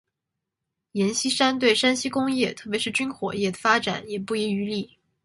阎锡山对山西工业特别是军火业的发展也不遗余力。